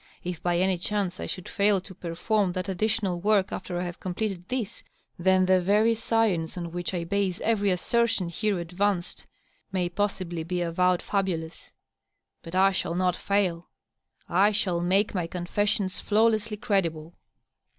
If by any chance I should fail to perform that additional work aft«r I have completed this, then the very science on which I base every assertion here aavanced may possibly be avowed fiibulous. .. But I shall not fisiil. I shall make my confes sions flawlesjsly credible.